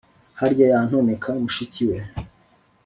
harya yantoneka mushiki we